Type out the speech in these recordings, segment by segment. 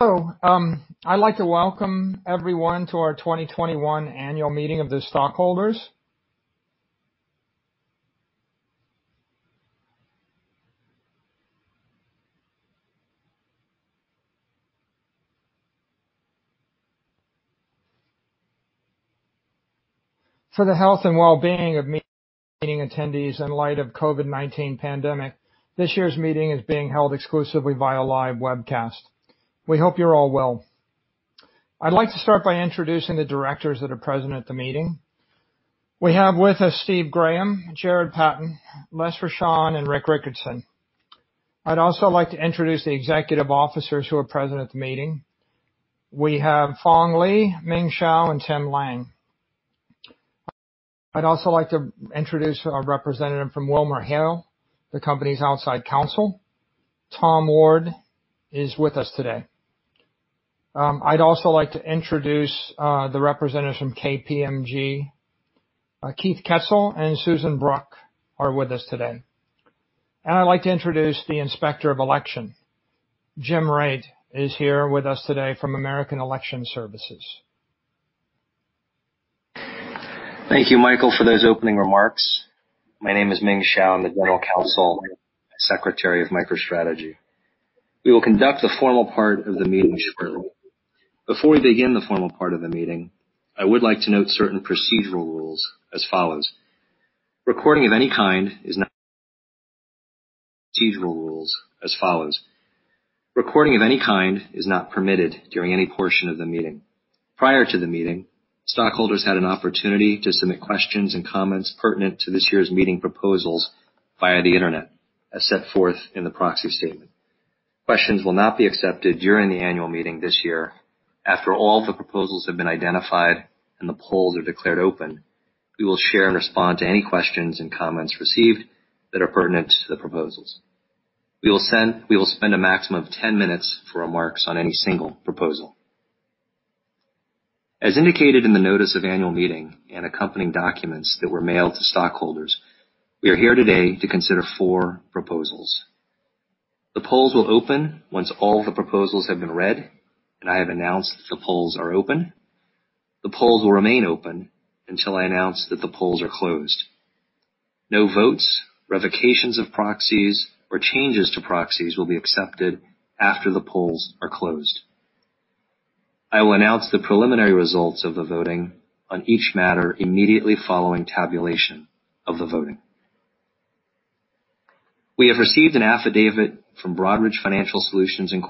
Hello. I'd like to welcome everyone to our 2021 Annual Meeting of the Stockholders. For the health and well-being of meeting attendees in light of COVID-19 pandemic, this year's meeting is being held exclusively via live webcast. We hope you're all well. I'd like to start by introducing the Directors that are present at the meeting. We have with us Steve Graham, Jarrod Patten, Les Rechan, and Rick Rickertsen. I'd also like to introduce the Executive Officers who are present at the meeting. We have Phong Le, Ming Shao, and Tim Lang. I'd also like to introduce a representative from WilmerHale, the company's outside counsel. Tom Ward is with us today. I'd also like to introduce the representatives from KPMG. Keith Kessel and Susan Brock are with us today. I'd like to introduce the inspector of election. Jim Raitt is here with us today from American Election Services. Thank you, Michael, for those opening remarks. My name is Ming Shao. I'm the General Counsel and Secretary of MicroStrategy. We will conduct the formal part of the meeting shortly. Before we begin the formal part of the meeting, I would like to note certain procedural rules as follows. Recording of any kind is not permitted during any portion of the meeting. Prior to the meeting, stockholders had an opportunity to submit questions and comments pertinent to this year's meeting proposals via the Internet, as set forth in the proxy statement. Questions will not be accepted during the annual meeting this year. After all the proposals have been identified and the polls are declared open, we will share and respond to any questions and comments received that are pertinent to the proposals. We will spend a maximum of 10 minutes for remarks on any single proposal. As indicated in the notice of annual meeting and accompanying documents that were mailed to stockholders, we are here today to consider four proposals. The polls will open once all the proposals have been read, and I have announced that the polls are open. The polls will remain open until I announce that the polls are closed. No votes, revocations of proxies, or changes to proxies will be accepted after the polls are closed. I will announce the preliminary results of the voting on each matter immediately following tabulation of the voting. We have received an affidavit from Broadridge Financial Solutions, Inc.,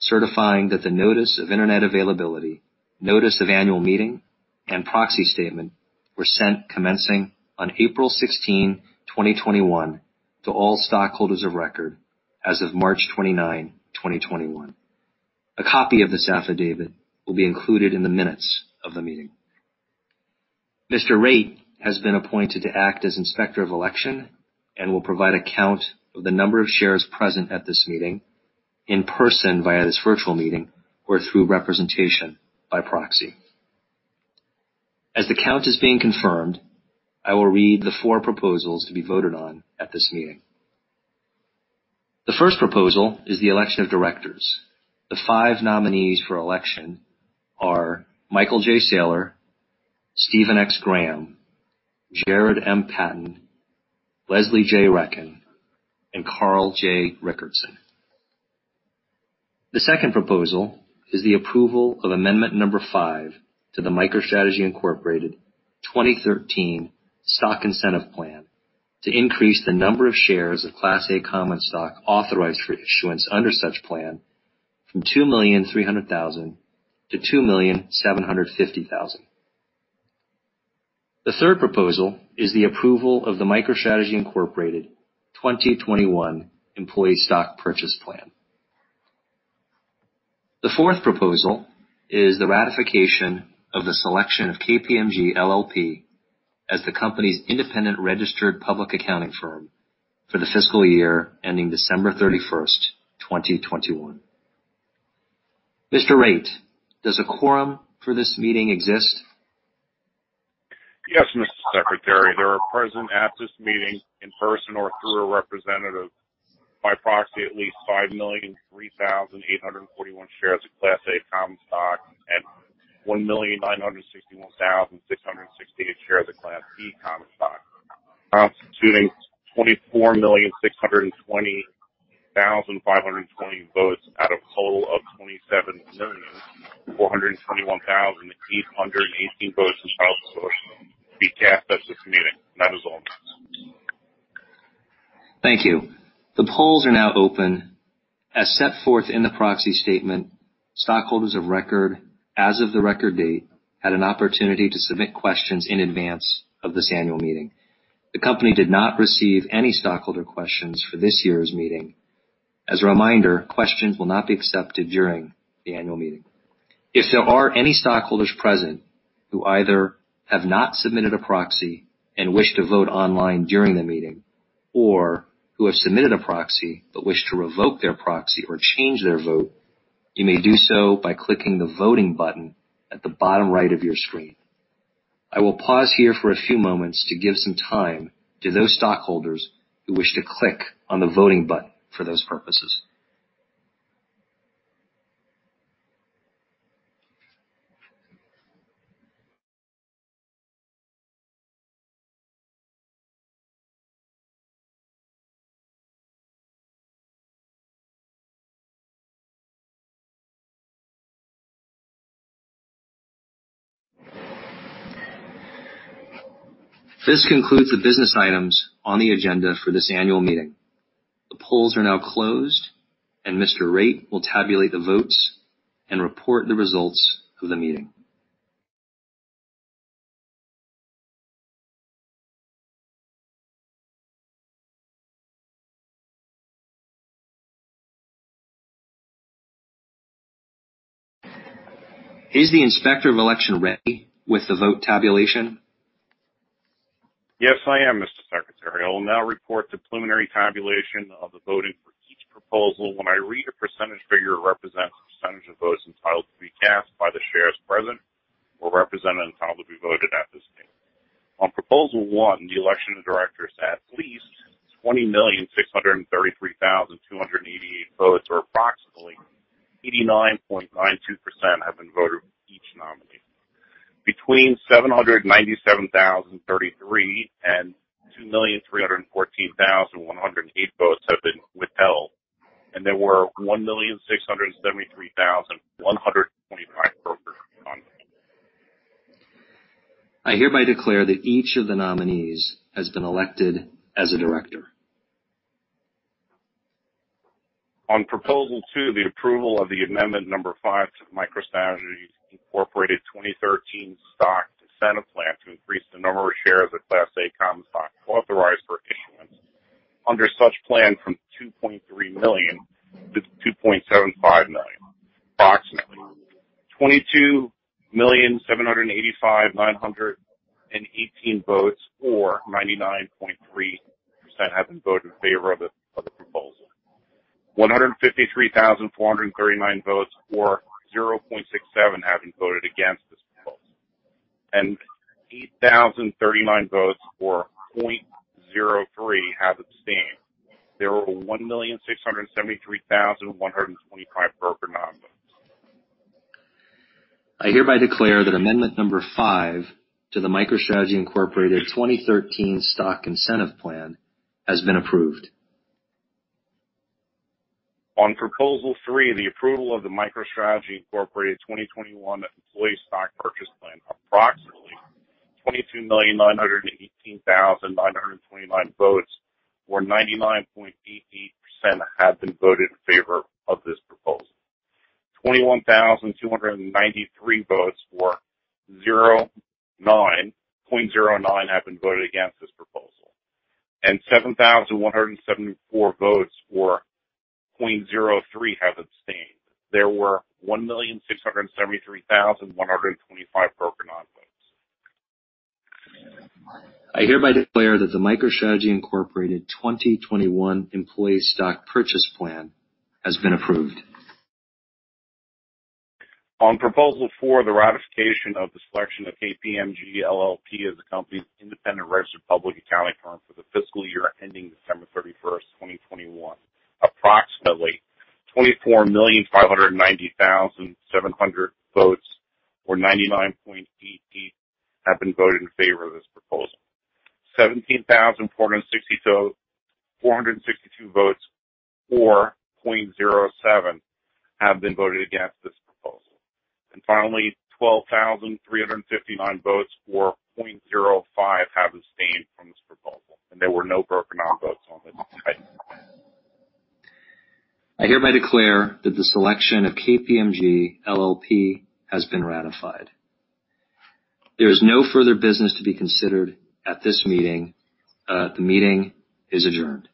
certifying that the notice of Internet availability, notice of annual meeting, and proxy statement were sent commencing on April 16, 2021 to all stockholders of record as of March 29, 2021. A copy of this affidavit will be included in the minutes of the meeting. Mr. Raitt has been appointed to act as Inspector of Election and will provide a count of the number of shares present at this meeting in person via this virtual meeting or through representation by proxy. As the count is being confirmed, I will read the four proposals to be voted on at this meeting. The first proposal is the election of Directors. The five nominees for election are Michael J. Saylor, Stephen X. Graham, Jarrod M. Patten, Leslie J. Rechan, and Carl J. Rickertsen. The second proposal is the approval of Amendment No. five to the MicroStrategy Incorporated 2013 Stock Incentive Plan to increase the number of shares of Class A common stock authorized for issuance under such plan from 2,300,000-2,750,000. The third proposal is the approval of the MicroStrategy Incorporated 2021 Employee Stock Purchase Plan. The fourth proposal is the ratification of the selection of KPMG LLP as the company's independent registered public accounting firm for the fiscal year ending December 31, 2021. Mr. Raitt, does a quorum for this meeting exist? Yes, Mr. Secretary. There are present at this meeting in person or through a representative by proxy at least 5,003,841 shares of Class A common stock and 1,961,668 shares of Class B common stock, constituting 24,620,520 votes out of total of 27,421,818 votes as of this meeting. That is all. Thank you. The polls are now open. As set forth in the proxy statement, stockholders of record as of the record date had an opportunity to submit questions in advance of this annual meeting. The company did not receive any stockholder questions for this year's meeting. As a reminder, questions will not be accepted during the annual meeting. If there are any stockholders present who either have not submitted a proxy and wish to vote online during the meeting or who have submitted a proxy but wish to revoke their proxy or change their vote, you may do so by clicking the Voting button at the bottom right of your screen. I will pause here for a few moments to give some time to those stockholders who wish to click on the voting button for those purposes. This concludes the business items on the agenda for this annual meeting. The polls are now closed, and Mr. Raitt will tabulate the votes and report the results of the meeting. Is the Inspector of Election ready with the vote tabulation? Yes, I am, Mr. Secretary. I will now report the preliminary tabulation of the voting for each proposal. When I read a percentage figure, it represents the percentage of votes entitled to be cast by the shares present or represented entitled to be voted at this meeting. On proposal one, the election of Directors, at least 20,633,288 votes, or approximately 89.92% have been voted each nominee. Between 797,033 and 2,314,108 votes have been withheld. There were 1,673,125 broker non-votes. I hereby declare that each of the nominees has been elected as a Director. On proposal two, the approval of the amendment number five to MicroStrategy Incorporated 2013 Stock Incentive Plan to increase the number of shares of Class A common stock authorized for issuance under such plan from 2.3 million-2.75 million. Approximately 22,785,918 votes, or 99.3%, have been voted in favor of the proposal. 153,439 votes or 0.67% have been voted against this proposal. 8,039 votes or 0.03% have abstained. There were 1,673,125 broker non-votes. I hereby declare that Amendment number five to the MicroStrategy Incorporated 2013 Stock Incentive Plan has been approved. On Proposal three, the approval of the MicroStrategy Incorporated 2021 Employee Stock Purchase Plan. Approximately 22,918,929 votes, or 99.88%, have been voted in favor of this proposal. 21,293 votes, or 0.09%, have been voted against this proposal, and 7,174 votes or 0.03% have abstained. There were 1,673,125 broker non-votes. I hereby declare that the MicroStrategy Incorporated 2021 Employee Stock Purchase Plan has been approved. On proposal four, the ratification of the selection of KPMG LLP as the company's independent registered public accounting firm for the fiscal year ending December 31, 2021. Approximately 24,590,700 votes or 99.88% have been voted in favor of this proposal. 17,462 votes or 0.07% have been voted against this proposal. Finally, 12,359 votes or 0.05% have abstained from this proposal. There were no broker non-votes on this item. I hereby declare that the selection of KPMG LLP has been ratified. There is no further business to be considered at this meeting. The meeting is adjourned.